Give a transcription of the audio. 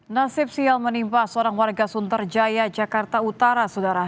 nasib sial menimpa seorang warga sunterjaya jakarta utara saudara